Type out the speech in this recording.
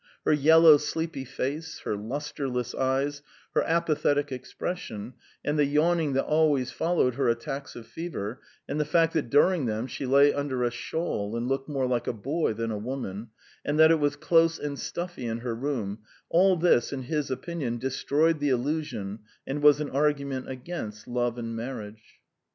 Her yellow, sleepy face, her lustreless eyes, her apathetic expression, and the yawning that always followed her attacks of fever, and the fact that during them she lay under a shawl and looked more like a boy than a woman, and that it was close and stuffy in her room all this, in his opinion, destroyed the illusion and was an argument against love and marriage.